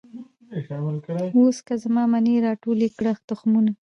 اوس که زما منۍ را ټول یې کړی تخمونه